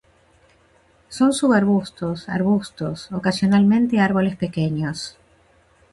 Son subarbustos, arbustos, ocasionalmente árboles pequeños.